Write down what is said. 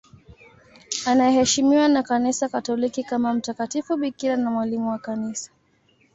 Anaheshimiwa na Kanisa Katoliki kama mtakatifu bikira na mwalimu wa Kanisa.